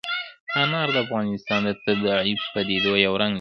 انار د افغانستان د طبیعي پدیدو یو رنګ دی.